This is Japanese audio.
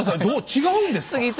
どう違うんですか？